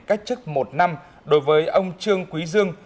cách chức một năm đối với ông trương quý dương